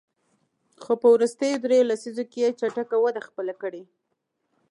خو په وروستیو دریوو لسیزو کې یې چټکه وده خپله کړې.